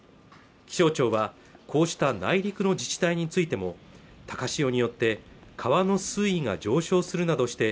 気象庁はこうした内陸の自治体についても高潮によって川の水位が上昇するなどして